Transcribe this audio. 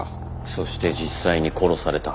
そして実際に殺された。